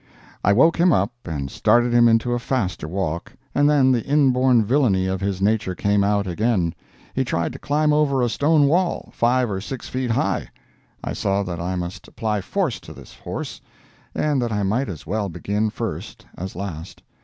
I woke him up and started him into a faster walk, and then the inborn villainy of his nature came out again. He tried to climb over a stone wall, five or six feet high. I saw that I must apply force to this horse, and that I might as well begin first as last.